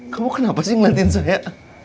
kamu kenapa sih ngeliatin saya